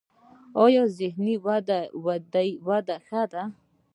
ایا ذهني وده یې ښه ده؟